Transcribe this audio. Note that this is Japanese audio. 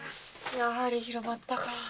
やはり広まったか。